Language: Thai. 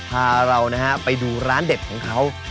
พาเรานะฮะไปดูร้านเด็ดของเขา